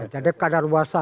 jadi kader luasa